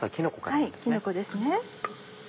はいきのこですね。